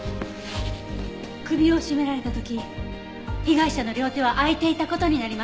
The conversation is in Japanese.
首を絞められた時被害者の両手は空いていた事になります。